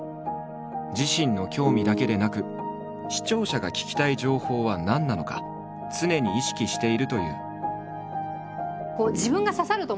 自身の興味だけでなく視聴者が聞きたい情報は何なのか常に意識しているという。